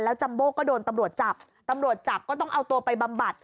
จัมโบ้ก็โดนตำรวจจับตำรวจจับก็ต้องเอาตัวไปบำบัด